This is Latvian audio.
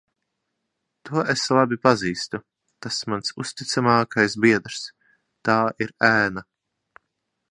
To es labi pazīstu. Tas mans uzticamākais biedrs. Tā ir ēna.